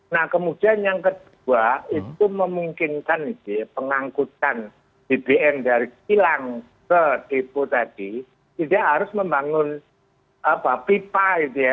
nah kemudian yang kedua itu memungkinkan pengangkutan bbm dari kilang ke depo tadi tidak harus membangun pipa gitu ya